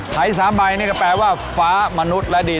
ไถสามใบนี่ก็แปลว่าฟ้ามนุษย์และดิน